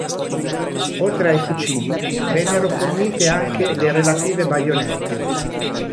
Oltre ai fucili, vennero fornite anche le relative baionette.